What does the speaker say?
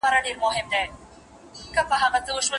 آیا واکسین تر درملني ښه دی؟